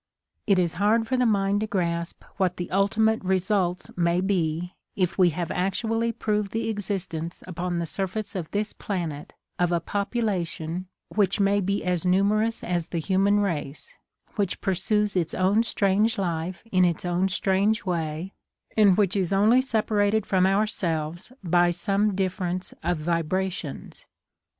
It is hard for the mind to grasp what the ultimate results may be if we have actually proved the existence upon the sur face of this planet of a population which may be as numerous as the human race, which pursues its own strange life in its own strange way, and which is only separated from ourselves by some difference of vibra 13 THE COMING OF THE FAIRIES tions.